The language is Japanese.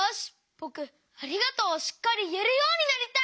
ぼく「ありがとう」をしっかりいえるようになりたい！